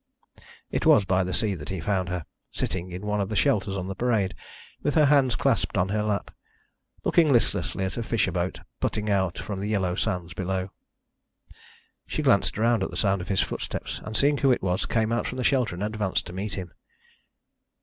It was by the sea that he found her, sitting in one of the shelters on the parade, with her hands clasped in her lap, looking listlessly at a fisher boat putting out from the yellow sands below. She glanced round at the sound of his footsteps, and, seeing who it was, came out from the shelter and advanced to meet him.